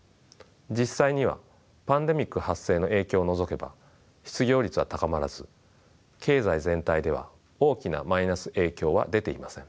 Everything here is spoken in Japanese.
実際にはパンデミック発生の影響を除けば失業率は高まらず経済全体では大きなマイナス影響は出ていません。